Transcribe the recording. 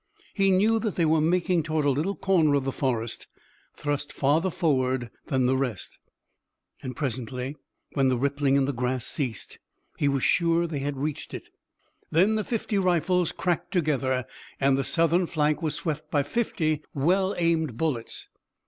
He knew that they were making toward a little corner of the forest, thrust farther forward than the rest, and presently when the rippling in the grass ceased he was sure that they had reached it. Then the fifty rifles cracked together and the Southern flank was swept by fifty well aimed bullets.